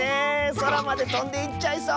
そらまでとんでいっちゃいそう。